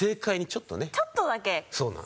ちょっとだけ。